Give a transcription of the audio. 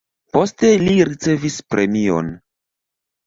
Poste li ricevis premion.